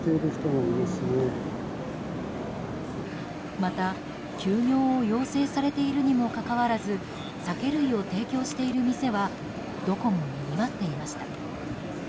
また、休業を要請されているにもかかわらず酒類を提供している店はどこもにぎわっていました。